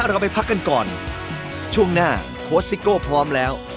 เราไปพักกันก่อนช่วงหน้าโค้ชซิโก้พร้อมแล้ว